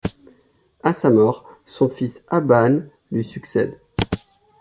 À sa mort, son fils Abbân lui succède.